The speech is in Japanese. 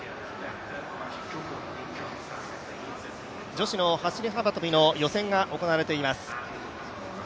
女子の走幅跳の予選が行われています。